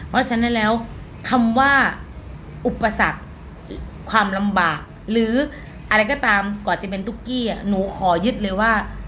เพราะฉะนั้นแล้วคำว่าอุปสรรคความลำบากหรืออะไรก็ตามก่อนจะเป็นตุ๊กกี้หนูขอยึดเลยว่า